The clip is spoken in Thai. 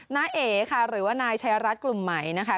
้าเอ๋ค่ะหรือว่านายชายรัฐกลุ่มใหม่นะคะ